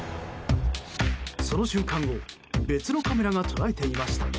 その瞬間を別のカメラが捉えていました。